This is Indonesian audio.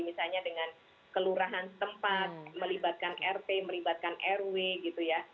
misalnya dengan kelurahan setempat melibatkan rt melibatkan rw gitu ya